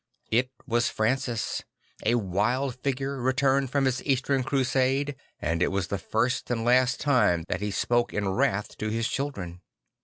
I t was Francis, a wild figure, returned from his Eastern Crusade; and it was the first and last time that he spoke in wrath to his children.